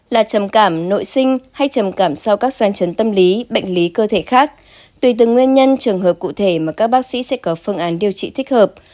là trầm cảm nội sinh hay trầm cảm sau các san chấn tâm lý bệnh lý cơ thể khác tùy từng nguyên nhân trường hợp cụ thể mà các bác sĩ sẽ có phương án điều trị thích hợp